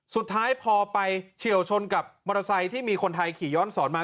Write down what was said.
สุดท้ายพอไปเฉียวชนกับมอเตอร์ไซค์ที่มีคนไทยขี่ย้อนสอนมา